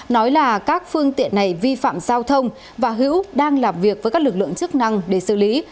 nói là các phương tiện này vi phạm giao thông và hữu đang làm việc với các lực lượng chức năng để xử lý